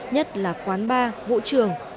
nhất là quán bar vũ trường